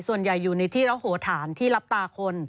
ส่วนใหญ่อยู่ในที่ระโหฐานที่รับตาคน